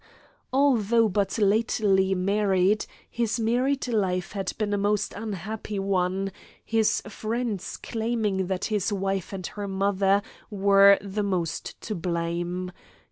Although but lately married, his married life had been a most unhappy one, his friends claiming that his wife and her mother were the most to blame.